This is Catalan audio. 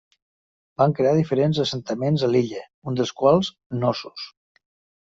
Van crear diferents assentaments a l'illa, un dels quals Cnossos.